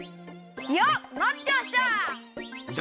よっまってました！